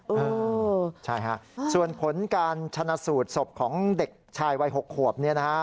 เออใช่ฮะส่วนผลการชนะสูตรศพของเด็กชายวัย๖ขวบเนี่ยนะฮะ